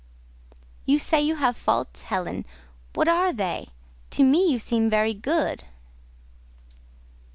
"You say you have faults, Helen: what are they? To me you seem very good."